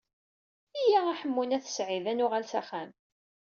Yya a Ḥemmu n At Sɛid. Ad nuɣal s axxam.